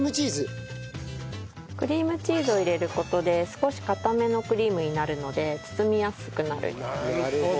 クリームチーズを入れる事で少し硬めのクリームになるので包みやすくなる。